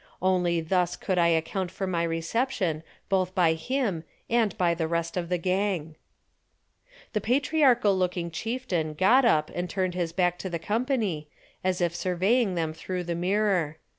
Only thus could I account for my reception both by him and by the rest of the gang. The patriarchal looking chieftain got up and turned his back to the company, as if surveying them through the mirror.